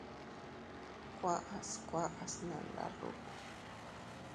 Kuaʼas kuaʼas nnanda ruú.